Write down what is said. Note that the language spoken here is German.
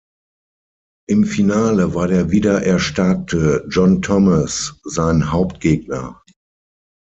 Im Finale war der wieder erstarkte John Thomas sein Hauptgegner.